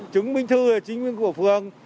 chứng minh thư là chính minh của phường